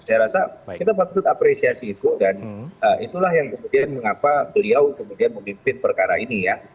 saya rasa kita patut apresiasi itu dan itulah yang kemudian mengapa beliau kemudian memimpin perkara ini ya